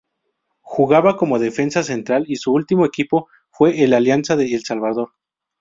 Jugaba como defensa central y su ultimo equipo fue el Alianza de El Salvador.